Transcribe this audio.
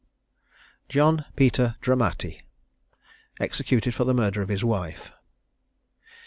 JOHN PETER DRAMATTI. EXECUTED FOR THE MURDER OF HIS WIFE.